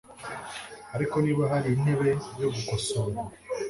ariko niba hari intebe yo gukosora